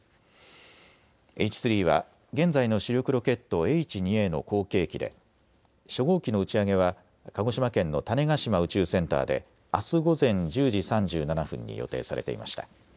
Ｈ３は現在の主力ロケット、Ｈ２Ａの後継機で初号機の打ち上げは鹿児島県の種子島宇宙センターであす午前１０時３７分に予定されていました。